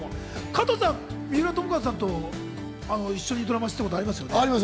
加藤さん、三浦友和さんと一緒に共演されたことありますよね？